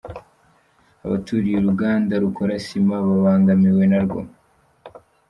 Abaturiye uruganda rukora sima babangamiwe narwo